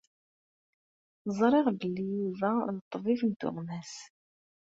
Ẓriɣ belli d Yuba d ṭṭbib n tuɣmas.